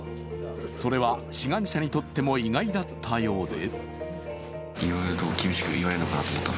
それは志願者にとっても意外だったようで。